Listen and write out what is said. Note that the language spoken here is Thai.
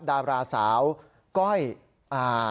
ดาราสาวก้อยอ่า